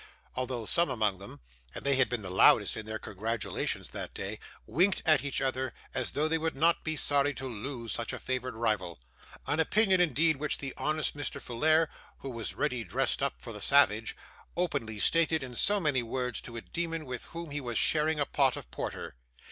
although some among them (and they had been the loudest in their congratulations that day) winked at each other as though they would not be sorry to lose such a favoured rival; an opinion, indeed, which the honest Mr. Folair, who was ready dressed for the savage, openly stated in so many words to a demon with whom he was sharing a pot of porter.